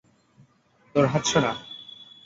তোর হাত সরা!